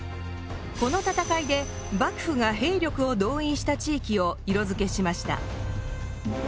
この戦いで幕府が兵力を動員した地域を色づけしました。